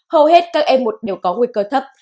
hầu hết các em một đều có nguy cơ thấp